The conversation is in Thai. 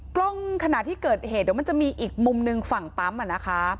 กล้องขณะที่เกิดเหตุเดี๋ยวมันจะมีอีกมุมหนึ่งฝั่งปั๊มอ่ะนะคะ